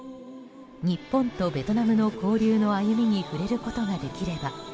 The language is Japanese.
日本とベトナムの交流の歩みに触れることができれば。